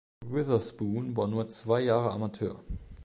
Witherspoon war nur zwei Jahre Amateur.